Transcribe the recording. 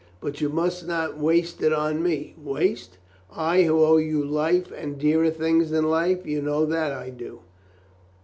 "But you must not waste it on me." "Waste? I who owe you life and dearer things than life? You know that I do."